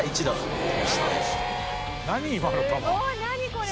これ！